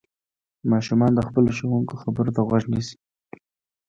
ماشومان د خپلو ښوونکو خبرو ته غوږ نيسي.